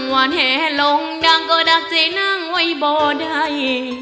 วันแห่ลงดังก็ดักใจนั่งไว้บ่อใด